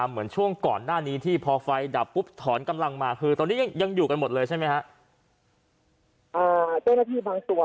เหมือนช่วงก่อนหน้านี้ที่พอไฟดับปุ๊บถอนกำลังมาคือตอนนี้ยังอยู่กันหมดเลยใช่ไหมครับ